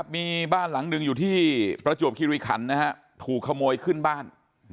มีบ้านหลังหนึ่งอยู่ที่ประจวบคิริขันถูกขโมยขึ้นบ้าน